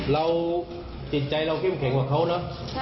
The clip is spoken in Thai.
เราจิตใจเราขึ้นเข็งกว่าเขาเนอะใช่ค่ะ